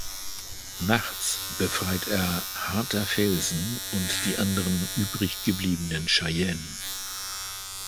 Nachts befreit er Harter Felsen und die anderen übrig gebliebenen Cheyenne.